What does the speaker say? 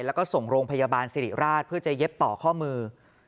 แล้วก็ส่งโรงพยาบาลสิริราชเพื่อจะเย็บต่อข้อมือ